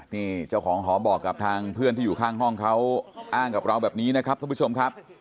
นี่เจ้าของหอบอกกับทางเพื่อนที่อยู่ข้างห้องเขาอ้างกับเราแบบนี้นะครับท่านผู้ชมครับ